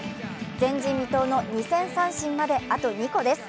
前人未到の２０００三振まであと２個です。